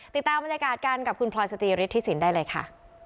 ติดตามบรรยากาศกันกับคุณพลอยสตรีฤทธิสินได้เลยค่ะ